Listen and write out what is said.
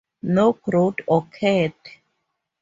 No growth occurred.